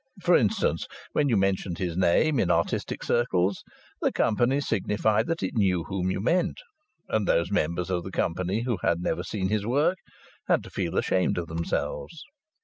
For instance, when you mentioned his name in artistic circles the company signified that it knew whom you meant, and those members of the company who had never seen his work had to feel ashamed of themselves.